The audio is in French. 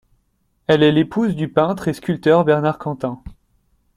Elle est l'épouse du peintre et sculpteur Bernard Quentin.